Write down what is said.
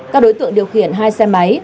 các đối tượng điều khiển hai xe máy